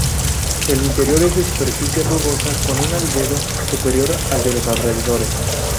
El interior es de superficie rugosa, con un albedo superior al de los alrededores.